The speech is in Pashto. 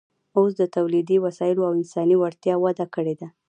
اوس د تولیدي وسایلو او انساني وړتیاوو وده کړې ده